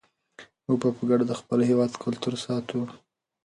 موږ به په ګډه د خپل هېواد کلتور ساتو.